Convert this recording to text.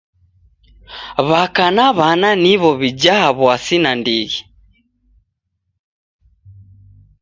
W'aka na w'ana niw'o w'ijaa w'asi nandighi.